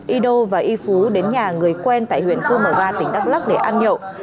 ido và y phú đến nhà người quen tại huyện cư mở va tỉnh đắk lắc để ăn nhậu